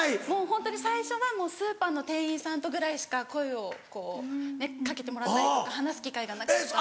ホントに最初はもうスーパーの店員さんとぐらいしか声を掛けてもらったりとか話す機会がなかったりしたんで。